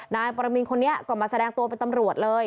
นายปรมินคนนี้ก็มาแสดงตัวเป็นตำรวจเลย